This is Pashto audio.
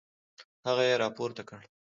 هغه يې راپورته کړه.